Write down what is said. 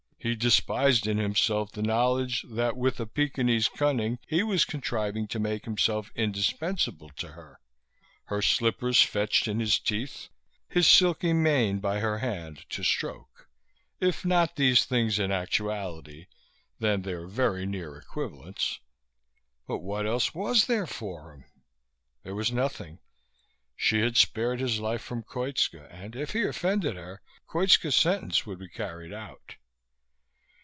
He despised in himself the knowledge that with a Pekingese's cunning he was contriving to make himself indispensable to her her slippers fetched in his teeth, his silky mane by her hand to stroke if not these things in actuality, then their very near equivalents. But what else was there for him? There was nothing. She had spared his life from Koitska, and if he offended her, Koitska's sentence would be carried out.